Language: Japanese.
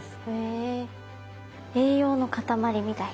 栄養の塊みたいな？